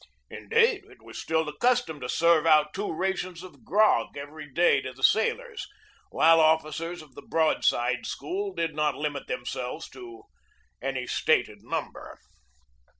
Indeed, it was still the cus tom to serve out two rations of grog every day to the sailors, while officers of the broadside school did not limit themselves to any stated number.